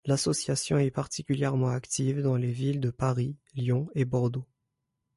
L'association est particulièrement active dans les villes de Paris, Lyon, et Bordeaux.